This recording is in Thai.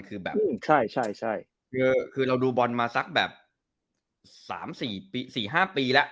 คือแบบใช่คือเราดูบอลมาสักแบบ๓๔๕ปีแล้ว